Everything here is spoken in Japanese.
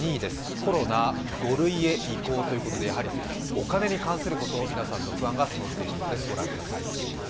コロナ、５類へ移行ということでお金に関すること、皆さんの不安が募っているようです。